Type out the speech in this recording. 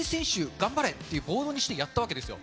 頑張れって、ボードにしてやったわけですよ。